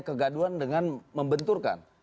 kegaduan dengan membenturkan